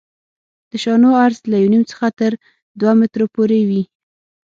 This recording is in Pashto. د شانو عرض له یو نیم څخه تر دوه مترو پورې وي